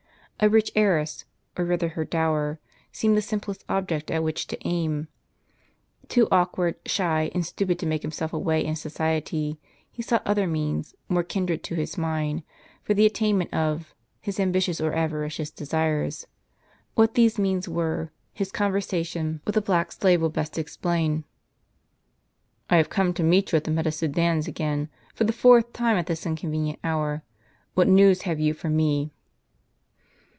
A rich heiress, or rather her dower, seemed the simplest object at which to aim. Too awkward, shy, and stupid to make himself a way in society, he sought other means, more kindred to his mind, for the attainment of his ambitious or avaricious desires. What these means were, his conversation with the black slave will best explain. "I have come to meet you at the Meta Sudans again, for the fourth time, at this inconvenient hour. What news have you for me?